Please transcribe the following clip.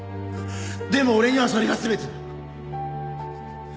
でも俺にはそれが全てだ。